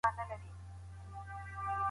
هغه خپل په کوڅې کي یوازي و.